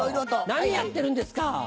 何やってるんですか。